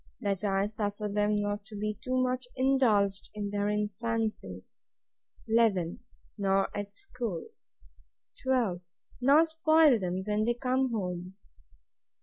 That I suffer them not to be too much indulged in their infancy. 11. Nor at school. 12. Nor spoil them when they come home.